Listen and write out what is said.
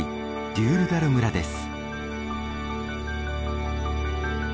デュールダル村です。